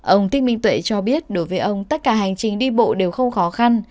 ông tích minh tuệ cho biết đối với ông tất cả hành trình đi bộ đều không khó khăn